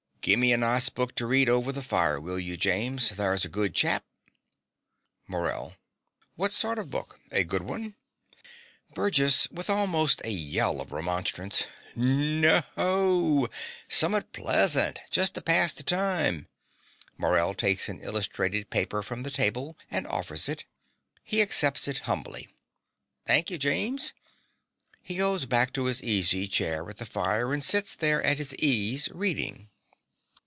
Gimme a nice book to read over the fire, will you, James: thur's a good chap. MORELL. What sort of book? A good one? BURGESS (with almost a yell of remonstrance). Nah oo! Summat pleasant, just to pass the time. (Morell takes an illustrated paper from the table and offers it. He accepts it humbly.) Thank yer, James. (He goes back to his easy chair at the fire, and sits there at his ease, reading.)